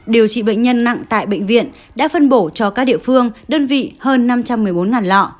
điều trị bệnh nhân nặng tại bệnh viện đã phân bổ cho các địa phương đơn vị hơn năm trăm một mươi bốn lọ